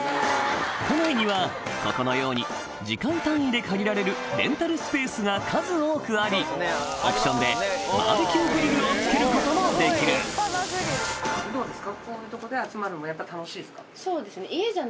都内にはここのように時間単位で借りられるレンタルスペースが数多くありを付けることもできるどうですか？